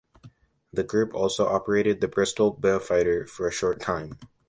The group also operated the Bristol Beaufighter for a short time.